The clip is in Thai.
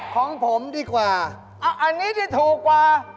ของผมดีกว่าอันนี้ที่ถูกกว่า